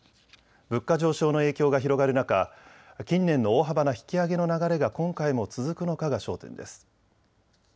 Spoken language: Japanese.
物価上昇の影響が広がる中、近年の大幅な引き上げの流れが今回も続くのかが焦点です。